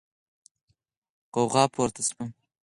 غوغا پورته شوه.